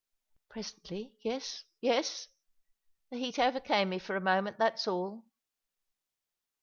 " Presently — yes, yes. The heat overcame me for a moment, that's all.